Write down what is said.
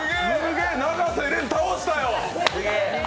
永瀬廉、倒したよ。